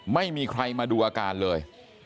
ไม่มีใครมาดูอาการเลย